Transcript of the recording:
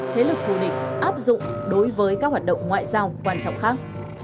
thế lực thù địch áp dụng đối với các hoạt động ngoại giao quan trọng khác